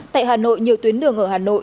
tại hà nội nhiều tuyến đường ở hà nội